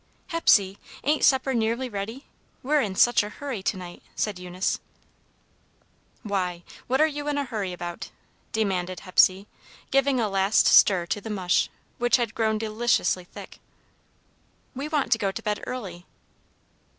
"Hepsy, ain't supper nearly ready? We're in such a hurry to night!" said Eunice. "Why, what are you in a hurry about?" demanded Hepsy, giving a last stir to the mush, which had grown deliciously thick. "We want to go to bed early."